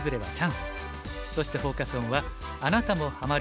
そしてフォーカス・オンは「あなたもハマる！